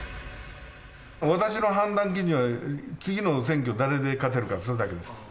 私の判断基準は、次の選挙、誰で勝てるか、それだけです。